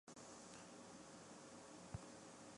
宜兰腺纹石娥为纹石蛾科腺纹石蛾属下的一个种。